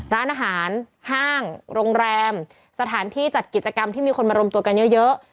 ร้านอาหารห้างโรงแรมสถานที่จัดกิจกรรมที่มีคนมารวมตัวกันเยอะ